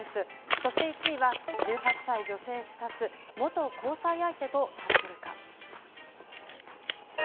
そして１位は、１８歳女性刺殺、元交際相手とトラブルか。